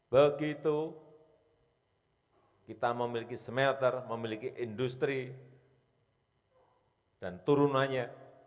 begitu kita memiliki smelter memiliki industri dan turunannya dua ribu dua puluh satu